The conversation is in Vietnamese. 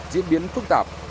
diễn biến phức tạp